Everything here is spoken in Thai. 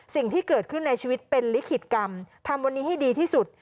สิ่งที่เกิดขึ้นในชีวิตเป็นลิขิตกรรมทำวันนี้ให้ดีที่สุด